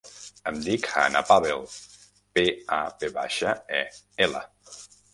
Em dic Hannah Pavel: pe, a, ve baixa, e, ela.